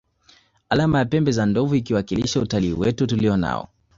Alama ya pembe za ndovu ikiwakilisha utalii wetu tulio nao